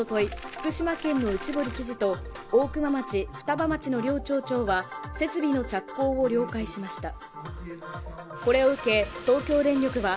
福島県の内堀知事と大熊町双葉町の両町長は設備の着工を了解しました